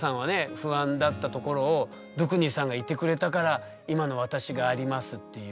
不安だったところをドゥクニさんがいてくれたから今の私がありますっていう。